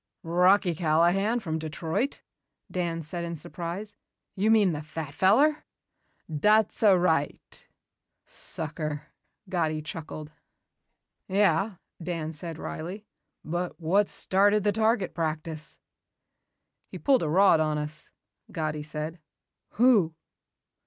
"Rocky Callahan from Detroit!" Dan said in surprise. "You mean the fat feller." "Dat's a'right." "Sucker," Gatti chuckled. "Yeah," Dan said wryly. "But what started the target practice?" "He pulled a rod on us," Gatti said. "Who?"